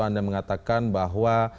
anda mengatakan bahwa